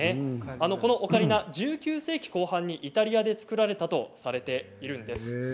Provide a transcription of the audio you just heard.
このオカリナは１９世紀後半にイタリアで作られたとされているんです。